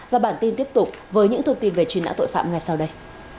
và bản tin tiếp tục với những thông tin về truy nã tội phạm ngay sau đây